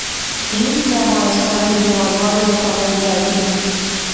ژبې د افغانستان د هیوادوالو لپاره ویاړ دی.